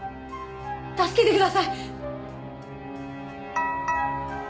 助けてください！